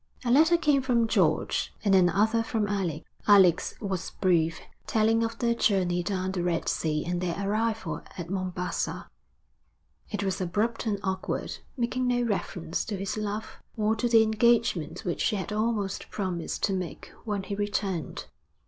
A letter came from George, and another from Alec. Alec's was brief, telling of their journey down the Red Sea and their arrival at Mombassa; it was abrupt and awkward, making no reference to his love, or to the engagement which she had almost promised to make when he returned.